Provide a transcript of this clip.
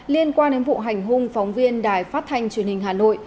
liên quan đến vụ hành hung phóng viên đài phát thanh truyền hình hà nội